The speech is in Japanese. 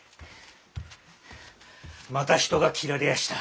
また人が斬られやした。